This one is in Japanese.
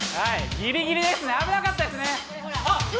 ギリギリですね危なかったですね。